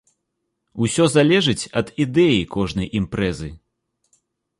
Усё залежыць ад ідэі кожнай імпрэзы.